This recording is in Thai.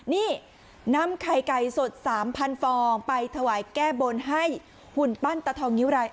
นี่นำไข่ไก่สด๓๐๐ฟองไปถวายแก้บนให้หุ่นปั้นตะทองนิ้วราย